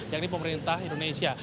yang ini pemerintah indonesia